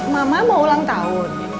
mama mau ulang tahun